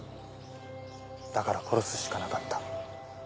だから殺すしかなかった。